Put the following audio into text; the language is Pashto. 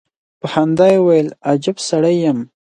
په خندا يې وويل: اجب سړی يم.